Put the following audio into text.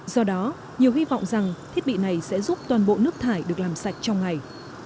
do đó nhiều hy vọng rằng thiết bị này sẽ giúp toàn bộ nước thải được làm sạch trong ngày